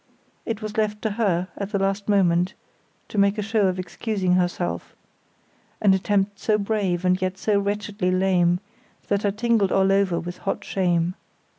It was left to her, at the last moment, to make a show of excusing herself, an attempt so brave and yet so wretchedly lame that I tingled all over with hot shame.